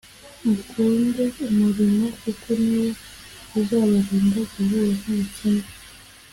mukunde umurimo kuko niwo uzabarinda guhura n’ubukene